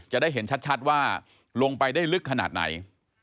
จะได้เห็นชัดว่าลงไปได้ลึกขนาดไหน